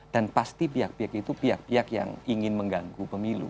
dan pasti pihak pihak itu pihak pihak yang ingin mengganggu pemilu